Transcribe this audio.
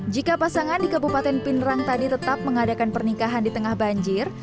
jika pasangan di kabupaten pinerang tadi tetap mengadakan pernikahan di tengah banjir